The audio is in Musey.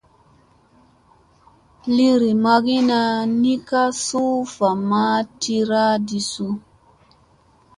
Liri magina ni ka suu va ma tira ɗi suu.